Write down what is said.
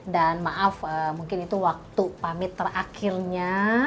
dan maaf mungkin itu waktu pamit terakhirnya